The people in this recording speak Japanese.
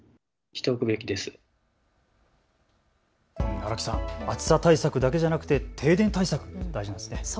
荒木さん、暑さ対策だけではなく停電対策、大事なんですね。